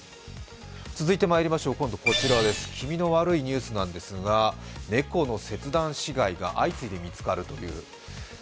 続いて、気味の悪いニュースなんですが猫の切断死骸が相次いで見つかるというニュース。